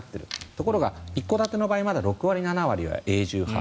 ところが一戸建ての場合は６割、７割は永住派。